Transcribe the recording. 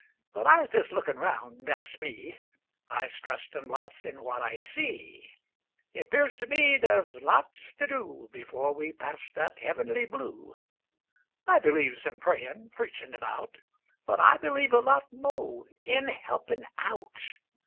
But I's des lookin' round, dat's me I's trustin' lots in what I see; It 'pears to me da's lots to do Befo' we pass dat heavenly blue. I believes in prayin', preachin' about, But believe a lot mo' in helpin' out.